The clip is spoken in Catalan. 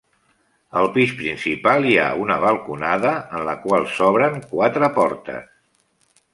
Al pis principal hi ha una balconada en la qual s'obren quatre portes.